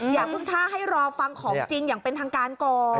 อย่าเพิ่งท่าให้รอฟังของจริงอย่างเป็นทางการก่อน